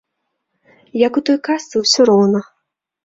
Як у той казцы ўсё роўна.